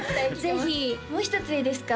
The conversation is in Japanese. ぜひもう一ついいですか？